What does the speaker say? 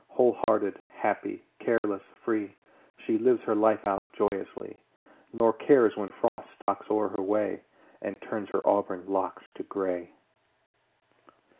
Whole hearted, happy, careless, free, She lives her life out joyously, Nor cares when Frost stalks o'er her way And turns her auburn locks to gray.